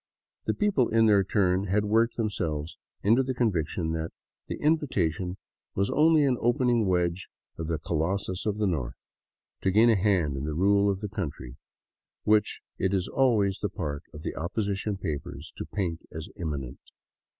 The people, in their turn, had worked themselves into the conviction that the invitation was only an opening wedge of the " Colos sus of the North " to gain a hand in the rule of the country, which it is always the part of the opposition papers to paint as imminent.